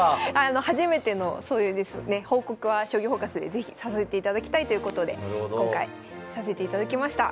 初めてのそういう報告は「将棋フォーカス」で是非させていただきたいということで今回させていただきました。